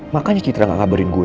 makanya citra gak ngabarin gue